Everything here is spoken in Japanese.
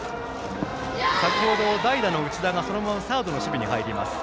先程、代打の内田がそのままサードの守備に入ります。